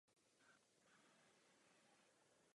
I tyto jazyky byly psány řeckým písmem.